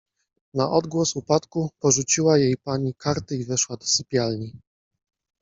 Na odgłos upadku porzuciła jej pani karty i weszła do sypialni.